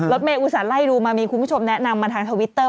รถเมย์อุตส่าห์ไล่ดูมามีคุณผู้ชมแนะนำมาทางทวิตเตอร์